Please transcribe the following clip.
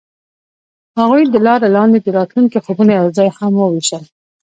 هغوی د لاره لاندې د راتلونکي خوبونه یوځای هم وویشل.